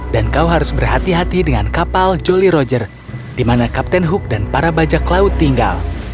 dan kau harus berhati hati dengan kapal jolly roger di mana kapten hook dan para bajak laut tinggal